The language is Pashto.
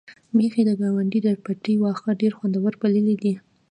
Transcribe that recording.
میښې د ګاونډي د پټي واښه ډېر خوندور بللي دي.